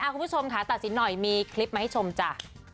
คุณผู้ชมค่ะตัดสินหน่อยมีคลิปมาให้ชมจ้ะ